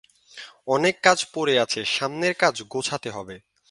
অনেক কাজ পড়ে আছে সামনে কাজ গোছাতে হবে।